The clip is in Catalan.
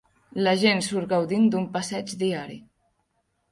La gent surt gaudint d'un passeig diari.